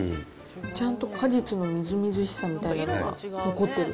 ちゃんと果実のみずみずしさみたいなのが残ってる。